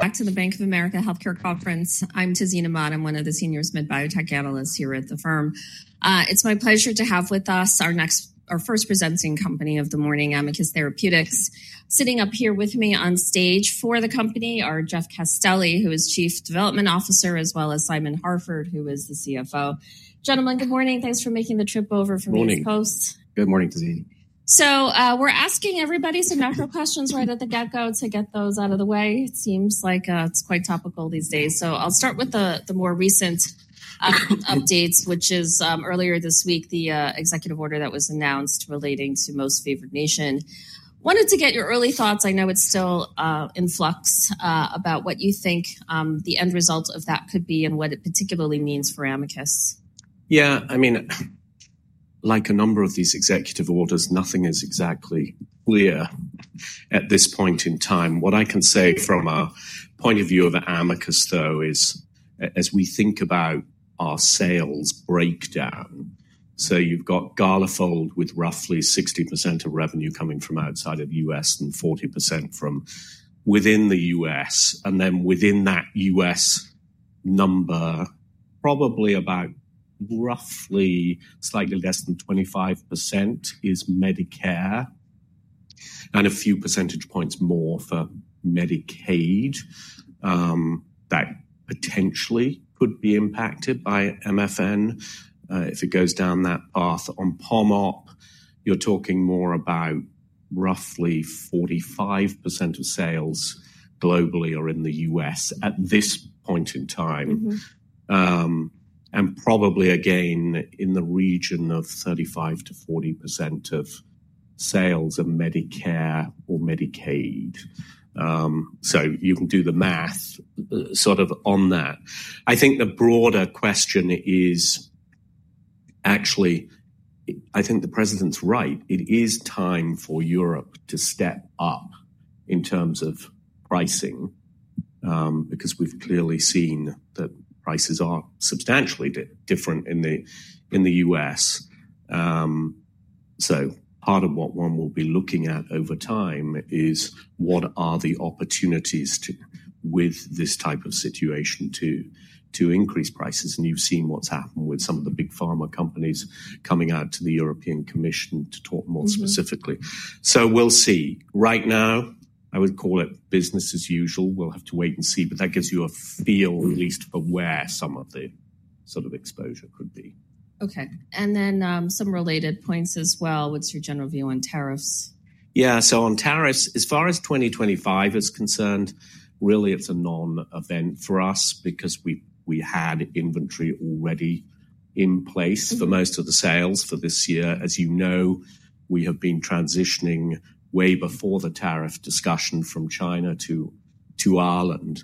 Back to the Bank of America Healthcare Conference. I'm Tazeen Ahmad. I'm one of the senior [smid] biotech analysts here at the firm. It's my pleasure to have with us our first presenting company of the morning, Amicus Therapeutics. Sitting up here with me on stage for the company are Jeff Castelli, who is Chief Development Officer, as well as Simon Harford, who is the CFO. Gentlemen, good morning. Thanks for making the trip over from East Coast. Good morning, Tazeen. We're asking everybody some natural questions right at the get-go to get those out of the way. It seems like it's quite topical these days. I'll start with the more recent updates, which is earlier this week, the executive order that was announced relating to Most Favored Nation. Wanted to get your early thoughts. I know it's still in flux about what you think the end result of that could be and what it particularly means for Amicus. Yeah, I mean, like a number of these executive orders, nothing is exactly clear at this point in time. What I can say from a point of view of Amicus, though, is as we think about our sales breakdown, so you've got Galafold with roughly 60% of revenue coming from outside of the U.S. and 40% from within the U.S. In that U.S. number, probably about roughly slightly less than 25% is Medicare and a few percentage points more for Medicaid that potentially could be impacted by MFN. If it goes down that path on POMOP, you're talking more about roughly 45% of sales globally or in the U.S. at this point in time. Probably, again, in the region of 35%-40% of sales are Medicare or Medicaid. You can do the math sort of on that. I think the broader question is actually, I think the president's right. It is time for Europe to step up in terms of pricing because we've clearly seen that prices are substantially different in the U.S. Part of what one will be looking at over time is what are the opportunities with this type of situation to increase prices. You've seen what's happened with some of the big pharma companies coming out to the European Commission to talk more specifically. We'll see. Right now, I would call it business as usual. We'll have to wait and see. That gives you a feel at least for where some of the sort of exposure could be. Okay. And then some related points as well. What's your general view on tariffs? Yeah, so on tariffs, as far as 2025 is concerned, really, it's a non-event for us because we had inventory already in place for most of the sales for this year. As you know, we have been transitioning way before the tariff discussion from China to Ireland.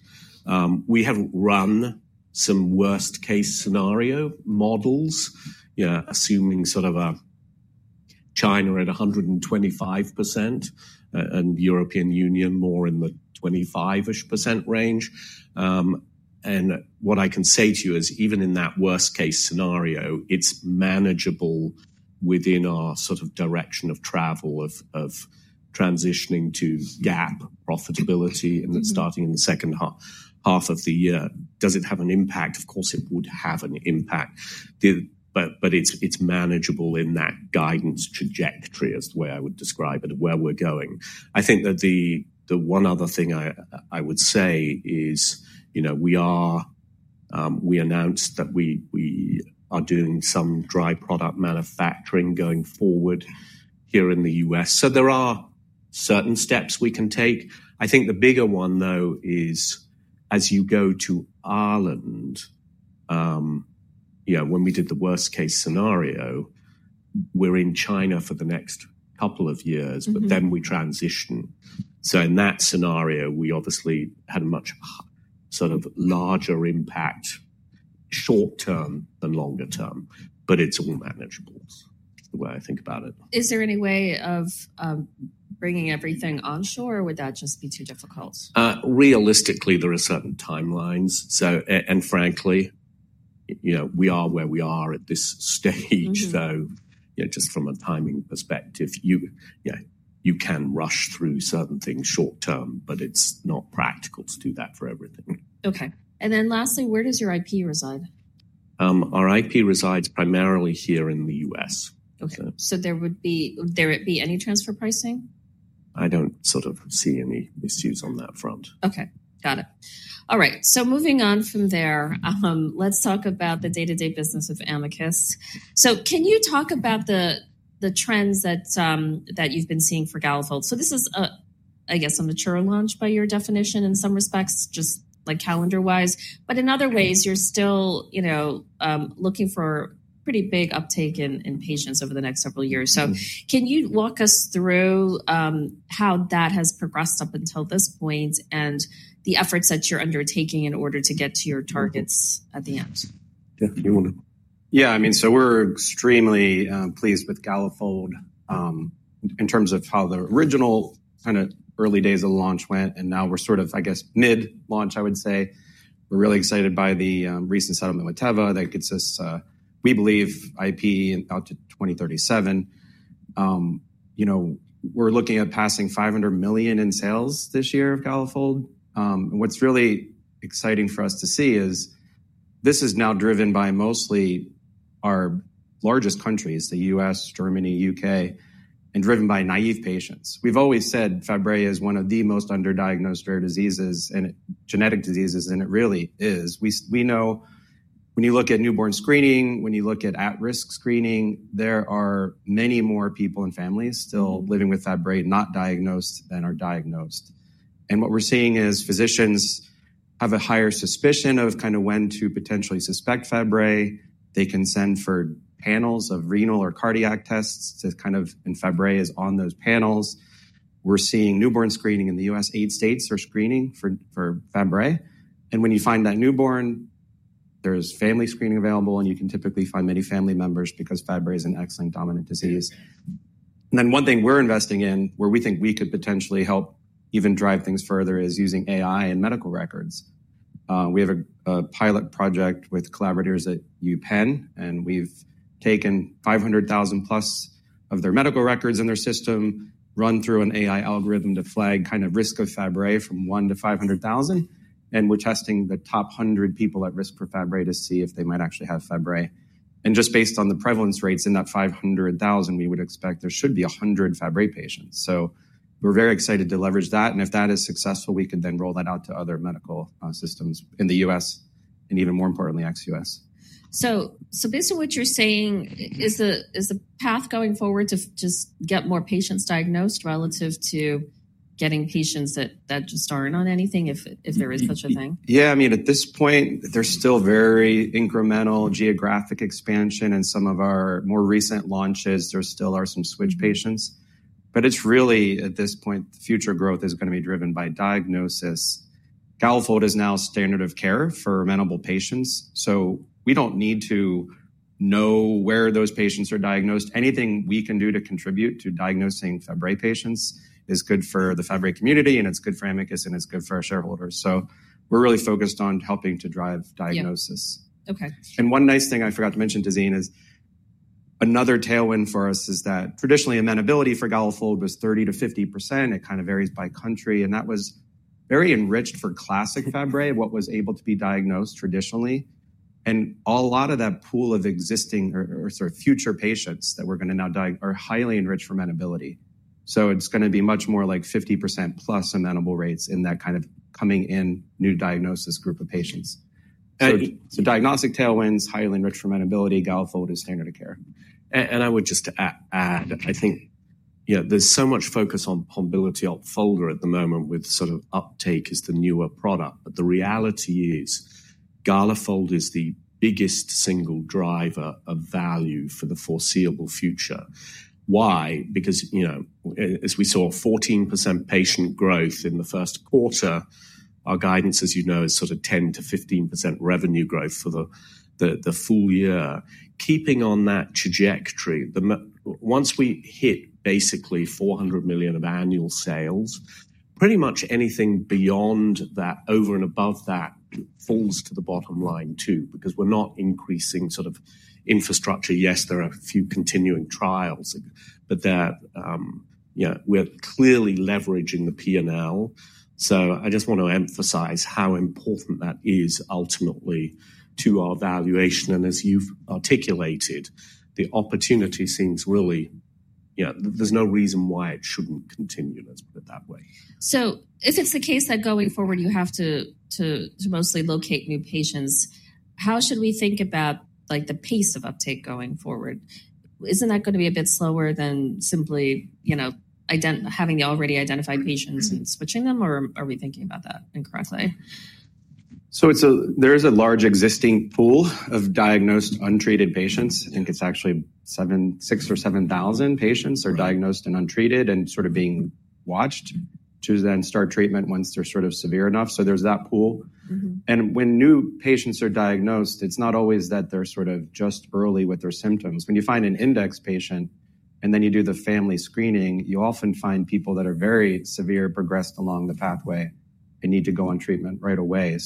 We have run some worst-case scenario models, assuming sort of China at 125% and the European Union more in the 25% range. What I can say to you is even in that worst-case scenario, it's manageable within our sort of direction of travel of transitioning to GAAP profitability and starting in the second half of the year. Does it have an impact? Of course, it would have an impact. It's manageable in that guidance trajectory is the way I would describe it, where we're going. I think that the one other thing I would say is we announced that we are doing some dry product manufacturing going forward here in the U.S. There are certain steps we can take. I think the bigger one, though, is as you go to Ireland, when we did the worst-case scenario, we're in China for the next couple of years, but then we transition. In that scenario, we obviously had a much sort of larger impact short term than longer term. It is all manageable, the way I think about it. Is there any way of bringing everything onshore, or would that just be too difficult? Realistically, there are certain timelines. Frankly, we are where we are at this stage, though, just from a timing perspective, you can rush through certain things short term, but it's not practical to do that for everything. Okay. Lastly, where does your IP reside? Our IP resides primarily here in the U.S. Okay. So there would be any transfer pricing? I don't sort of see any issues on that front. Okay. Got it. All right. Moving on from there, let's talk about the day-to-day business of Amicus. Can you talk about the trends that you've been seeing for Galafold? This is, I guess, a mature launch by your definition in some respects, just calendar-wise. In other ways, you're still looking for pretty big uptake in patients over the next several years. Can you walk us through how that has progressed up until this point and the efforts that you're undertaking in order to get to your targets at the end? Yeah, I mean, so we're extremely pleased with Galafold in terms of how the original kind of early days of launch went. Now we're sort of, I guess, mid-launch, I would say. We're really excited by the recent settlement with Teva that gets us, we believe, IP out to 2037. We're looking at passing $500 million in sales this year of Galafold. What's really exciting for us to see is this is now driven by mostly our largest countries, the U.S., Germany, U.K., and driven by naive patients. We've always said Fabry is one of the most underdiagnosed rare diseases and genetic diseases, and it really is. We know when you look at newborn screening, when you look at at-risk screening, there are many more people and families still living with Fabry not diagnosed than are diagnosed. What we're seeing is physicians have a higher suspicion of kind of when to potentially suspect Fabry. They can send for panels of renal or cardiac tests to kind of, and Fabry is on those panels. We're seeing newborn screening in the U.S. eight states are screening for Fabry. When you find that newborn, there's family screening available, and you can typically find many family members because Fabry is an X-linked dominant disease. One thing we're investing in where we think we could potentially help even drive things further is using AI and medical records. We have a pilot project with collaborators at the UPenn, and we've taken 500,000+ of their medical records in their system, run through an AI algorithm to flag kind of risk of Fabry from one to 500,000. We're testing the top 100 people at risk for Fabry to see if they might actually have Fabry. Just based on the prevalence rates in that 500,000, we would expect there should be 100 Fabry patients. We are very excited to leverage that. If that is successful, we could then roll that out to other medical systems in the U.S. and even more importantly, ex-U.S. Based on what you're saying, is the path going forward to just get more patients diagnosed relative to getting patients that just aren't on anything if there is such a thing? Yeah, I mean, at this point, there's still very incremental geographic expansion. And some of our more recent launches, there still are some switch patients. But it's really, at this point, future growth is going to be driven by diagnosis. Galafold is now standard of care for amenable patients. So we don't need to know where those patients are diagnosed. Anything we can do to contribute to diagnosing Fabry patients is good for the Fabry community, and it's good for Amicus, and it's good for our shareholders. So we're really focused on helping to drive diagnosis. And one nice thing I forgot to mention, Tazeen, is another tailwind for us is that traditionally, amenability for Galafold was 30%-50%. It kind of varies by country. And that was very enriched for classic Fabry, what was able to be diagnosed traditionally. A lot of that pool of existing or sort of future patients that we are going to now diagnose are highly enriched for amenability. It is going to be much more like 50%+ amenable rates in that kind of coming in new diagnosis group of patients. Diagnostic tailwinds, highly enriched for amenability, Galafold is standard of care. I would just add, I think there is so much focus on POMBILITI, OPFOLDA at the moment with sort of uptake as the newer product. The reality is Galafold is the biggest single driver of value for the foreseeable future. Why? Because as we saw 14% patient growth in the first quarter, our guidance, as you know, is sort of 10%-15% revenue growth for the full year. Keeping on that trajectory, once we hit basically $400 million of annual sales, pretty much anything beyond that, over and above that, falls to the bottom line too because we're not increasing sort of infrastructure. Yes, there are a few continuing trials, but we're clearly leveraging the P&L. I just want to emphasize how important that is ultimately to our valuation. As you've articulated, the opportunity seems really there's no reason why it shouldn't continue, let's put it that way. If it's the case that going forward you have to mostly locate new patients, how should we think about the pace of uptake going forward? Isn't that going to be a bit slower than simply having the already identified patients and switching them? Or are we thinking about that incorrectly? There is a large existing pool of diagnosed untreated patients. I think it's actually 6,000 or 7,000 patients are diagnosed and untreated and sort of being watched to then start treatment once they're sort of severe enough. There's that pool. When new patients are diagnosed, it's not always that they're just early with their symptoms. When you find an index patient and then you do the family screening, you often find people that are very severe, progressed along the pathway, and need to go on treatment right away.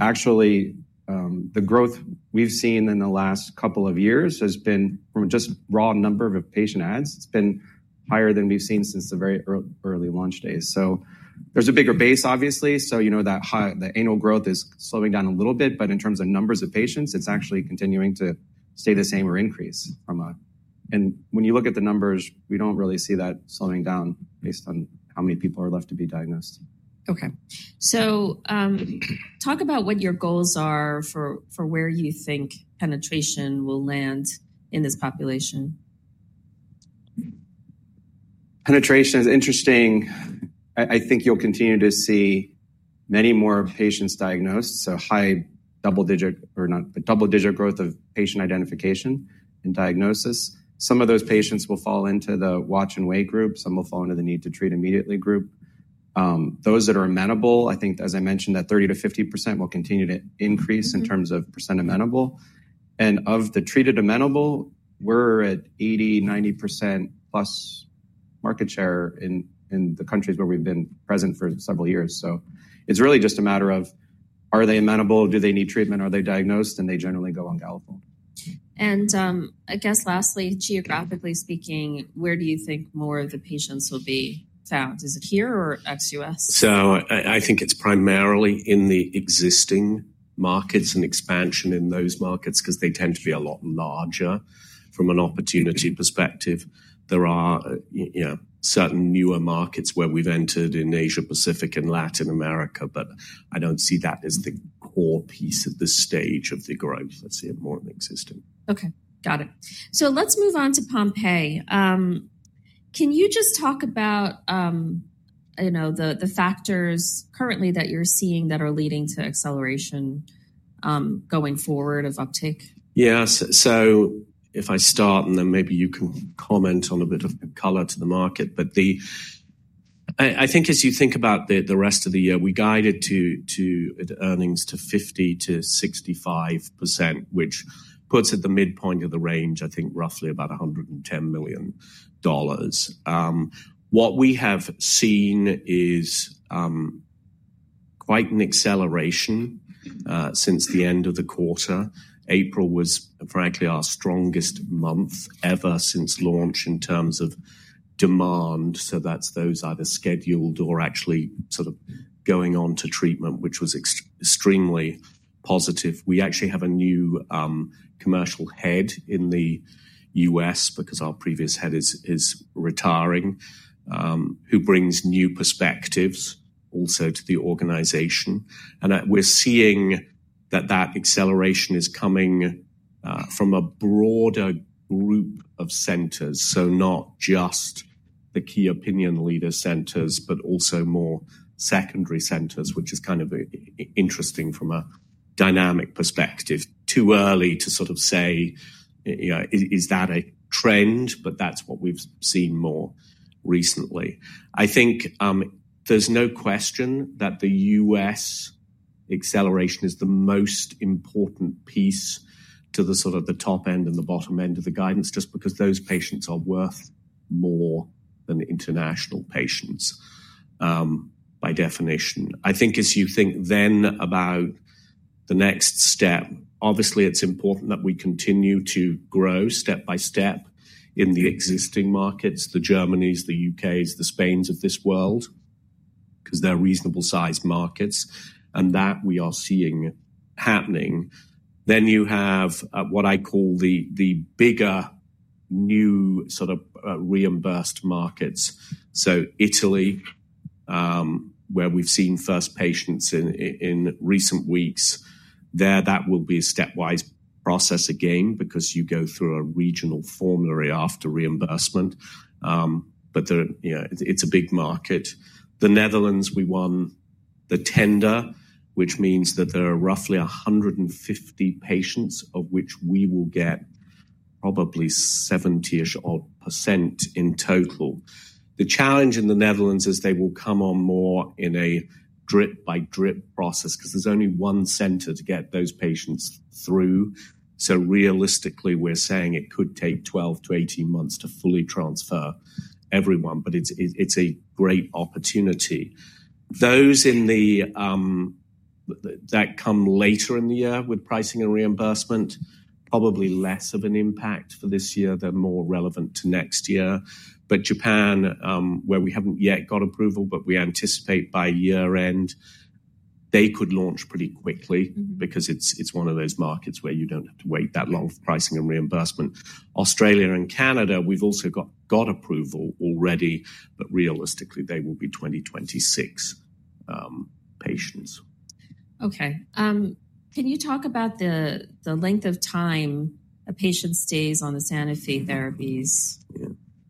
Actually, the growth we've seen in the last couple of years has been from just raw number of patient adds. It's been higher than we've seen since the very early launch days. There's a bigger base, obviously. The annual growth is slowing down a little bit. In terms of numbers of patients, it's actually continuing to stay the same or increase from a. And when you look at the numbers, we don't really see that slowing down based on how many people are left to be diagnosed. Okay. So talk about what your goals are for where you think penetration will land in this population. Penetration is interesting. I think you'll continue to see many more patients diagnosed. High double-digit or not, but double-digit growth of patient identification and diagnosis. Some of those patients will fall into the watch and wait group. Some will fall into the need to treat immediately group. Those that are amenable, I think, as I mentioned, that 30%-50% will continue to increase in terms of percent amenable. And of the treated amenable, we're at 80%, 90%+ market share in the countries where we've been present for several years. It's really just a matter of are they amenable? Do they need treatment? Are they diagnosed? They generally go on Galafold. I guess lastly, geographically speaking, where do you think more of the patients will be found? Is it here or ex-U.S.? I think it's primarily in the existing markets and expansion in those markets because they tend to be a lot larger from an opportunity perspective. There are certain newer markets where we've entered in Asia-Pacific and Latin America. I don't see that as the core piece of the stage of the growth. I see it more in the existing. Okay. Got it. Let's move on to Pompe. Can you just talk about the factors currently that you're seeing that are leading to acceleration going forward of uptake? Yes. If I start, and then maybe you can comment on a bit of color to the market. I think as you think about the rest of the year, we guided earnings to 50%-65%, which puts at the midpoint of the range, I think, roughly about $110 million. What we have seen is quite an acceleration since the end of the quarter. April was, frankly, our strongest month ever since launch in terms of demand. That is those either scheduled or actually sort of going on to treatment, which was extremely positive. We actually have a new commercial head in the U.S. because our previous head is retiring, who brings new perspectives also to the organization. We're seeing that acceleration is coming from a broader group of centers, not just the key opinion leader centers, but also more secondary centers, which is kind of interesting from a dynamic perspective. Too early to sort of say, is that a trend? That's what we've seen more recently. I think there's no question that the U.S. acceleration is the most important piece to the top end and the bottom end of the guidance just because those patients are worth more than international patients by definition. I think as you think then about the next step, obviously, it's important that we continue to grow step by step in the existing markets, the Germanys, the U.K.s, the Spains of this world because they're reasonable-sized markets. That we are seeing happening. You have what I call the bigger new sort of reimbursed markets. Italy, where we've seen first patients in recent weeks, that will be a stepwise process again because you go through a regional formulary after reimbursement. It is a big market. The Netherlands, we won the tender, which means that there are roughly 150 patients of which we will get probably 70%-ish odd in total. The challenge in the Netherlands is they will come on more in a drip-by-drip process because there's only one center to get those patients through. Realistically, we're saying it could take 12-18 months to fully transfer everyone. It is a great opportunity. Those that come later in the year with pricing and reimbursement, probably less of an impact for this year. They're more relevant to next year. Japan, where we haven't yet got approval, but we anticipate by year-end, they could launch pretty quickly because it's one of those markets where you don't have to wait that long for pricing and reimbursement. Australia and Canada, we've also got approval already, but realistically, they will be 2026 patients. Okay. Can you talk about the length of time a patient stays on the Sanofi therapies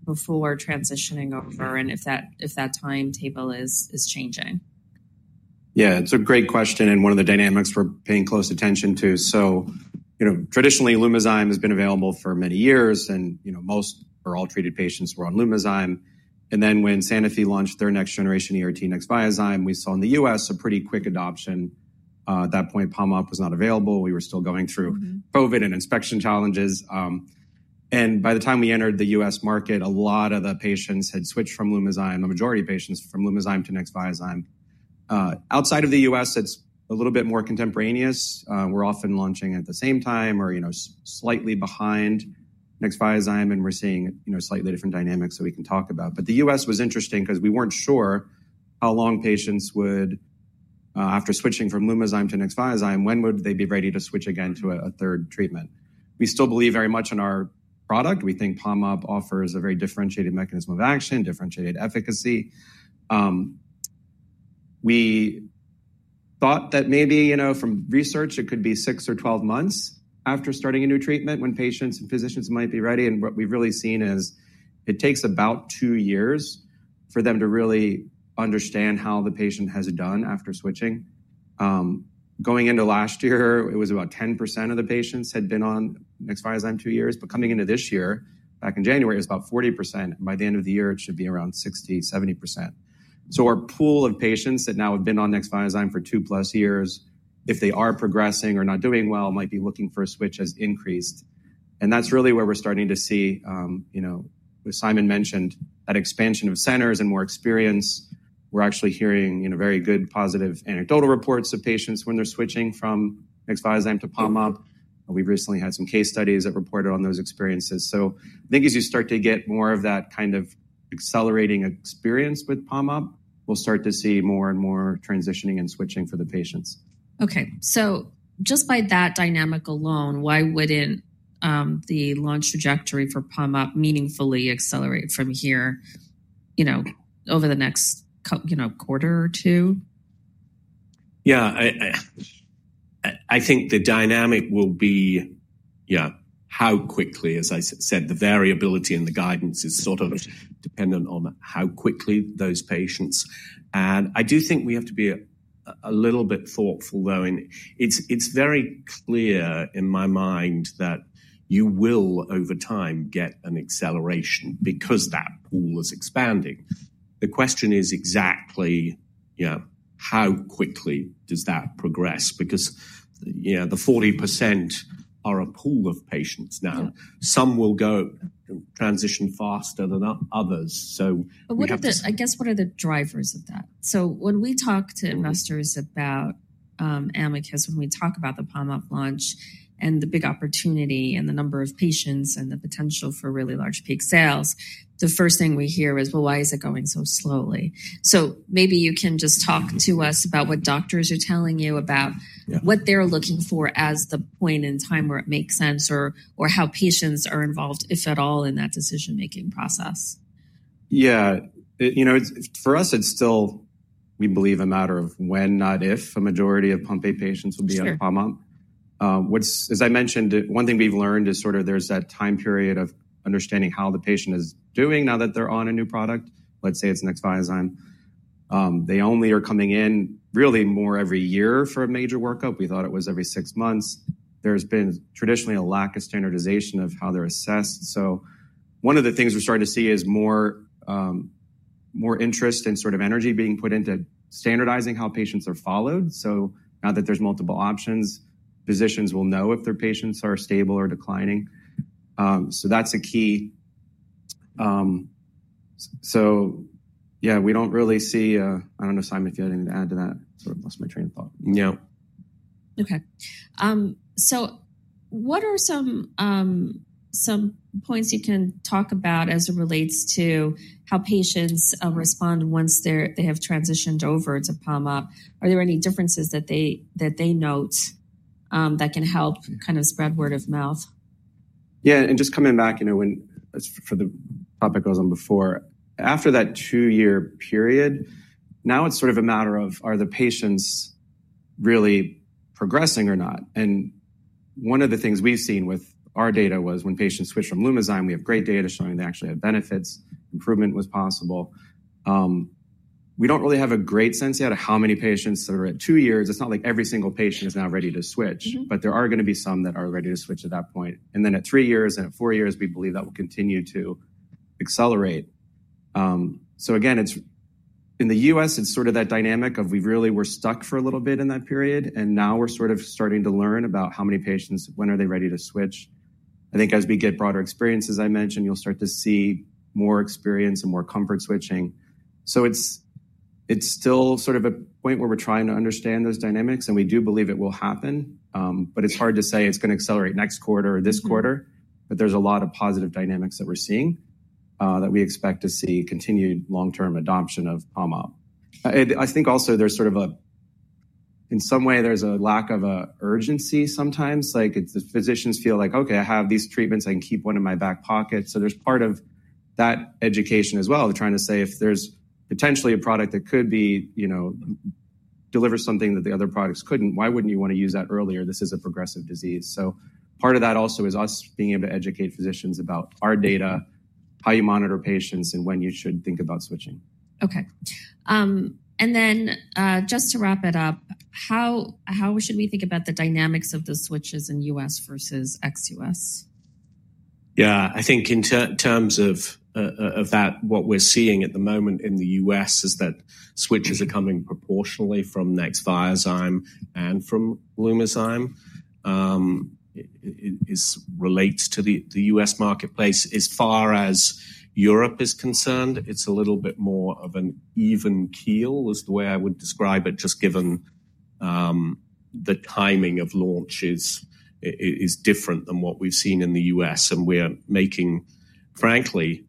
before transitioning over and if that timetable is changing? Yeah, it's a great question and one of the dynamics we're paying close attention to. Traditionally, LUMIZYME has been available for many years, and most or all treated patients were on LUMIZYME. When Sanofi launched their next-generation ERT NEXVIAZYME, we saw in the U.S. a pretty quick adoption. At that point, POMOP was not available. We were still going through COVID and inspection challenges. By the time we entered the U.S. market, a lot of the patients had switched from LUMIZYME, the majority of patients from LUMIZYME to NEXVIAZYME. Outside of the U.S., it's a little bit more contemporaneous. We're often launching at the same time or slightly behind NEXVIAZYME, and we're seeing slightly different dynamics that we can talk about. The U.S. was interesting because we weren't sure how long patients would, after switching from LUMIZYME to NEXVIAZYME, when would they be ready to switch again to a third treatment. We still believe very much in our product. We think POMOP offers a very differentiated mechanism of action, differentiated efficacy. We thought that maybe from research, it could be six or 12 months after starting a new treatment when patients and physicians might be ready. What we've really seen is it takes about two years for them to really understand how the patient has done after switching. Going into last year, it was about 10% of the patients had been on NEXVIAZYME two years. Coming into this year, back in January, it was about 40%. By the end of the year, it should be around 60%-70%. Our pool of patients that now have been on NEXVIAZYME for two-plus years, if they are progressing or not doing well, might be looking for a switch has increased. That is really where we are starting to see, as Simon mentioned, that expansion of centers and more experience. We are actually hearing very good positive anecdotal reports of patients when they are switching from NEXVIAZYME to POMOP. We have recently had some case studies that reported on those experiences. I think as you start to get more of that kind of accelerating experience with POMOP, we will start to see more and more transitioning and switching for the patients. Okay. So just by that dynamic alone, why wouldn't the launch trajectory for POMOP meaningfully accelerate from here over the next quarter or two? Yeah. I think the dynamic will be, yeah, how quickly, as I said, the variability in the guidance is sort of dependent on how quickly those patients. I do think we have to be a little bit thoughtful, though. It's very clear in my mind that you will, over time, get an acceleration because that pool is expanding. The question is exactly how quickly does that progress because the 40% are a pool of patients now. Some will transition faster than others. I guess what are the drivers of that? When we talk to investors about Amicus, when we talk about the POMOP launch and the big opportunity and the number of patients and the potential for really large peak sales, the first thing we hear is, well, why is it going so slowly? Maybe you can just talk to us about what doctors are telling you about what they're looking for as the point in time where it makes sense or how patients are involved, if at all, in that decision-making process. Yeah. For us, it's still, we believe, a matter of when, not if, a majority of Pompe patients will be on POMOP As I mentioned, one thing we've learned is sort of there's that time period of understanding how the patient is doing now that they're on a new product. Let's say it's NEXVIAZYME. They only are coming in really more every year for a major workup. We thought it was every six months. There's been traditionally a lack of standardization of how they're assessed. One of the things we're starting to see is more interest and sort of energy being put into standardizing how patients are followed. Now that there's multiple options, physicians will know if their patients are stable or declining. That's a key. Yeah, we don't really see a—I don't know, Simon, if you had anything to add to that. Sort of lost my train of thought. Yeah. Okay. So what are some points you can talk about as it relates to how patients respond once they have transitioned over to POMOP? Are there any differences that they note that can help kind of spread word of mouth? Yeah. Just coming back for the topic I was on before, after that two-year period, now it's sort of a matter of are the patients really progressing or not? One of the things we've seen with our data was when patients switch from LUMIZYME, we have great data showing they actually have benefits. Improvement was possible. We don't really have a great sense yet of how many patients that are at two years. It's not like every single patient is now ready to switch. There are going to be some that are ready to switch at that point. At three years and at four years, we believe that will continue to accelerate. Again, in the U.S., it's sort of that dynamic of we really were stuck for a little bit in that period. We are sort of starting to learn about how many patients, when are they ready to switch? I think as we get broader experiences, I mentioned, you'll start to see more experience and more comfort switching. It is still sort of a point where we're trying to understand those dynamics. We do believe it will happen. It is hard to say it is going to accelerate next quarter or this quarter. There are a lot of positive dynamics that we're seeing that we expect to see continued long-term adoption of POMOP. I think also there is sort of a, in some way, there is a lack of urgency sometimes. The physicians feel like, okay, I have these treatments. I can keep one in my back pocket. There's part of that education as well of trying to say if there's potentially a product that could deliver something that the other products couldn't, why wouldn't you want to use that earlier? This is a progressive disease. Part of that also is us being able to educate physicians about our data, how you monitor patients, and when you should think about switching. Okay. And then just to wrap it up, how should we think about the dynamics of the switches in U.S. versus ex-U.S.? Yeah. I think in terms of that, what we're seeing at the moment in the U.S. is that switches are coming proportionally from NEXVIAZYME and from LUMIZYME relates to the U.S. marketplace. As far as Europe is concerned, it's a little bit more of an even keel is the way I would describe it, just given the timing of launches is different than what we've seen in the U.S. We're making, frankly,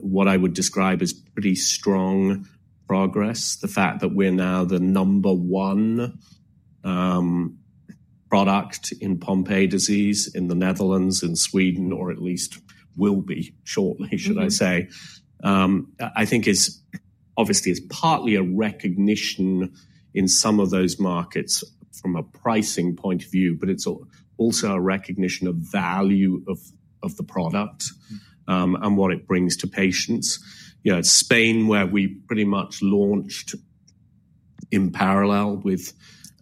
what I would describe as pretty strong progress. The fact that we're now the number one product in Pompe disease in the Netherlands and Sweden, or at least will be shortly, should I say, I think is obviously partly a recognition in some of those markets from a pricing point of view, but it's also a recognition of value of the product and what it brings to patients. Spain, where we pretty much launched in parallel with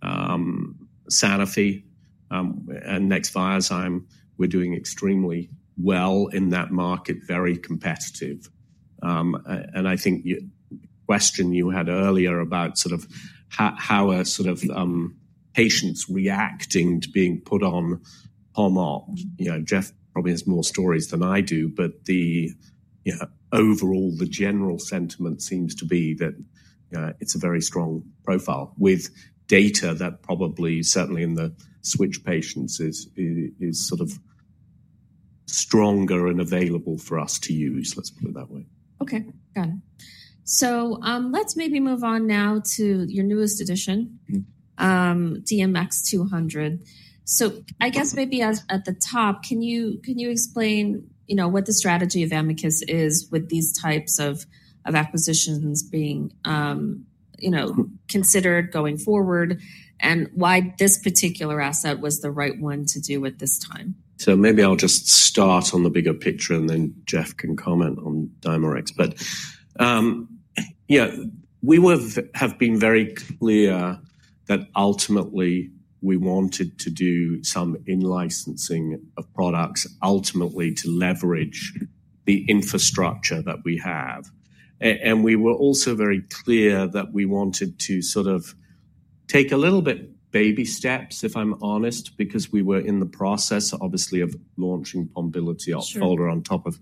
Sanofi and NEXVIAZYME, we're doing extremely well in that market, very competitive. I think the question you had earlier about sort of how are sort of patients reacting to being put on POMOP, Jeff probably has more stories than I do, but overall, the general sentiment seems to be that it's a very strong profile with data that probably certainly in the switch patients is sort of stronger and available for us to use, let's put it that way. Okay. Got it. Let's maybe move on now to your newest edition, DMX-200. I guess maybe at the top, can you explain what the strategy of Amicus is with these types of acquisitions being considered going forward and why this particular asset was the right one to do at this time? Maybe I'll just start on the bigger picture and then Jeff can comment on Dimerix. Yeah, we have been very clear that ultimately we wanted to do some in-licensing of products ultimately to leverage the infrastructure that we have. We were also very clear that we wanted to sort of take a little bit baby steps, if I'm honest, because we were in the process, obviously, of launching POMBILITI on top of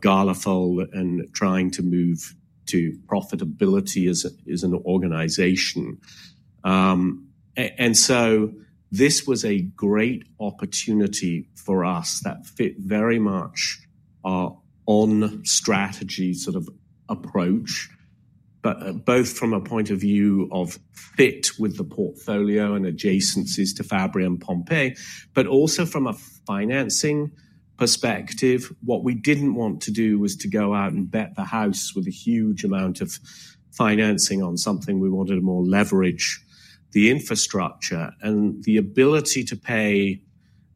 Galafold and trying to move to profitability as an organization. This was a great opportunity for us that fit very much our own strategy sort of approach, both from a point of view of fit with the portfolio and adjacencies to Fabry and Pompe, but also from a financing perspective. What we did not want to do was to go out and bet the house with a huge amount of financing on something. We wanted more leverage, the infrastructure, and the ability to pay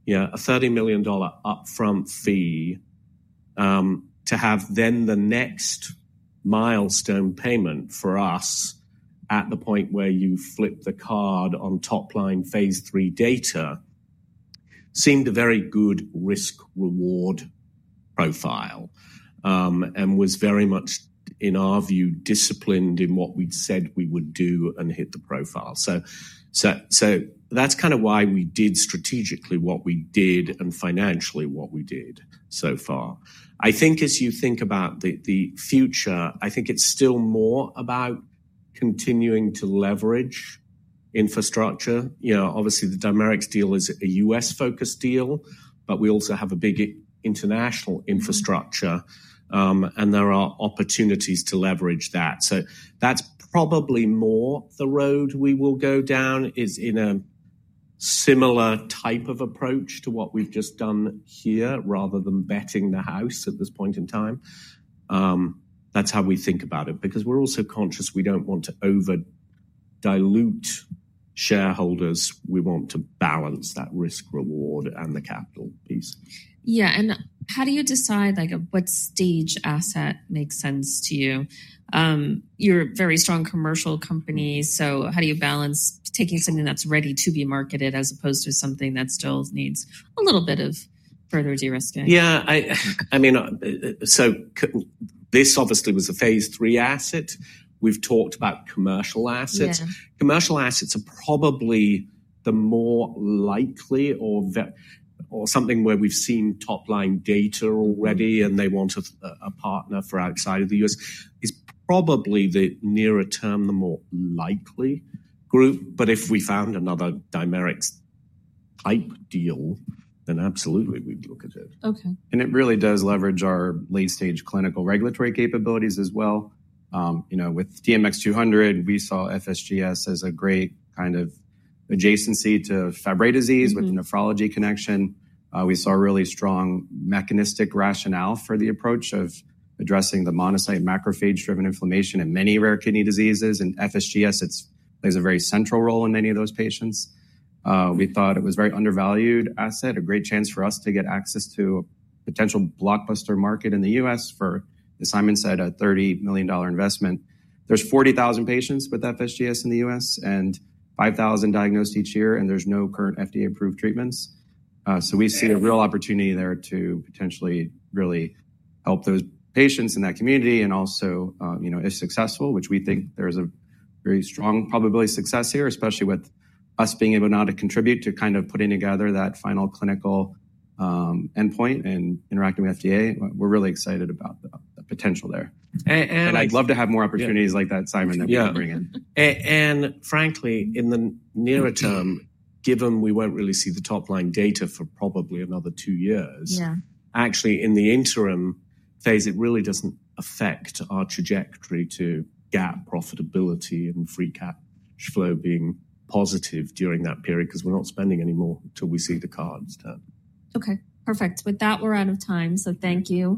a $30 million upfront fee to have then the next milestone payment for us at the point where you flip the card on top line phase three data seemed a very good risk-reward profile and was very much, in our view, disciplined in what we had said we would do and hit the profile. That is kind of why we did strategically what we did and financially what we did so far. I think as you think about the future, I think it is still more about continuing to leverage infrastructure. Obviously, the Dimerix deal is a U.S.-focused deal, but we also have a big international infrastructure, and there are opportunities to leverage that. That's probably more the road we will go down is in a similar type of approach to what we've just done here rather than betting the house at this point in time. That's how we think about it because we're also conscious we don't want to over-dilute shareholders. We want to balance that risk-reward and the capital piece. Yeah. How do you decide what stage asset makes sense to you? You're a very strong commercial company. How do you balance taking something that's ready to be marketed as opposed to something that still needs a little bit of further de-risking? Yeah. I mean, this obviously was a phase three asset. We've talked about commercial assets. Commercial assets are probably the more likely or something where we've seen top line data already and they want a partner for outside of the U.S. is probably the nearer term, the more likely group. If we found another Dimerix type deal, then absolutely we'd look at it. It really does leverage our late-stage clinical regulatory capabilities as well. With DMX-200, we saw FSGS as a great kind of adjacency to Fabry disease with the nephrology connection. We saw a really strong mechanistic rationale for the approach of addressing the monocyte macrophage-driven inflammation in many rare kidney diseases. FSGS plays a very central role in many of those patients. We thought it was a very undervalued asset, a great chance for us to get access to a potential blockbuster market in the U.S. for, as Simon said, a $30 million investment. There are 40,000 patients with FSGS in the U.S. and 5,000 diagnosed each year, and there are no current FDA-approved treatments. We see a real opportunity there to potentially really help those patients in that community and also, if successful, which we think there is a very strong probability of success here, especially with us being able now to contribute to kind of putting together that final clinical endpoint and interacting with FDA. We are really excited about the potential there. I would love to have more opportunities like that, Simon, that we can bring in. Frankly, in the nearer term, given we won't really see the top line data for probably another two years, actually in the interim phase, it really doesn't affect our trajectory to GAAP profitability and free cash flow being positive during that period because we're not spending any more until we see the cards. Okay. Perfect. With that, we're out of time. So thank you.